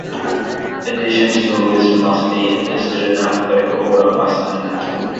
Additions to the list must be listed in alphabetical order by surname.